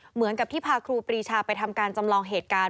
เหมือนกับที่พาครูปรีชาไปทำการจำลองเหตุการณ์